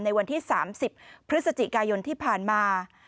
วันที่๓๐พฤศจิกายนที่ผ่านมา